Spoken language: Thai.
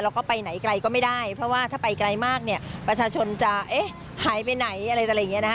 แล้วก็ไปไหนไกลก็ไม่ได้เพราะว่าถ้าไปไกลมากเนี่ยประชาชนจะเอ๊ะหายไปไหนอะไรอะไรอย่างนี้นะคะ